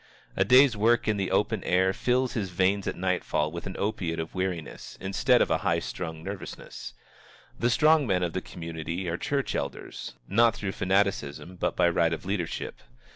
A day's work in the open air fills his veins at nightfall with an opiate of weariness instead of a high strung nervousness. The strong men of the community are church elders, not through fanaticism, but by right of leadership.